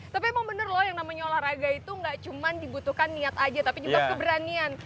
tapi emang bener loh yang namanya olahraga itu gak cuma dibutuhkan niat aja tapi juga keberanian